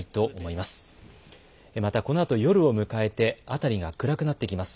またこのあと夜を迎えて、辺りが暗くなってきます。